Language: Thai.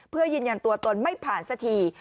เพื่อยืนยันตัวตนไม่ผ่านสักที